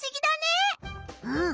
うん。